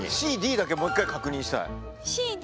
ＣＤだけもう一回確認したい。